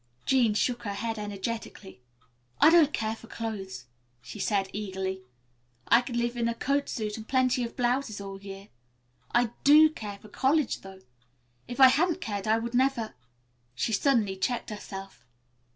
Jean shook her head energetically. "I don't care for clothes," she said eagerly. "I could live in a coat suit and plenty of blouses all year. I do care for college, though. If I hadn't cared, I would never " She suddenly checked herself.